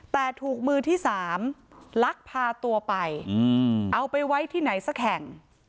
แต่ถูกมือที่๓ลักพาตัวไปเอาไปไว้ที่ไหนสักแห่ง